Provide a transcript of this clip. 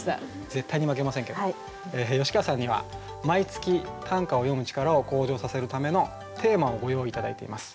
絶対に負けませんけど吉川さんには毎月短歌を詠む力を向上させるためのテーマをご用意頂いています。